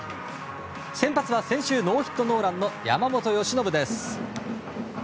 先発は先週ノーヒットノーランの山本由伸です。